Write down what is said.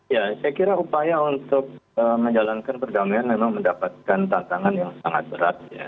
ya saya kira upaya untuk menjalankan perdamaian memang mendapatkan tantangan yang sangat berat ya